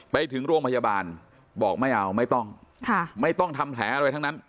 ไปถึงโรงพยาบาลบอกไม่เอาไม่ต้องไม่ต้องทำแผลอะไรทั้งนั้น